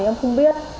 em không biết